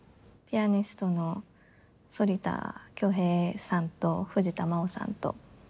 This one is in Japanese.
ピアニストの反田恭平さんと藤田真央さんと。